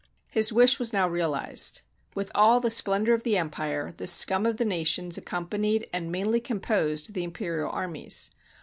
His wish was now realized. With all the splendor of the Empire, the scum of the nations accompanied and mainly composed the imperial armies.